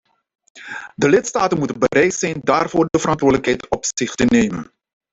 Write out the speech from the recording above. De lidstaten moeten bereid zijn daarvoor de verantwoordelijkheid op zich te nemen.